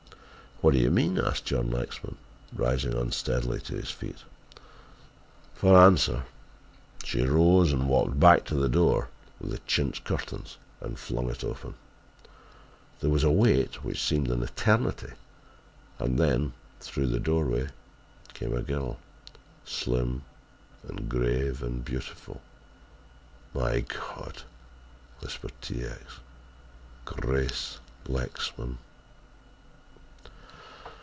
"What do you mean?" asked John Lexman, rising unsteadily to his feet. For answer she rose and walked back to the door with the chintz curtains and flung it open: There was a wait which seemed an eternity, and then through the doorway came a girl, slim and grave and beautiful. "My God!" whispered T. X. "Grace Lexman!"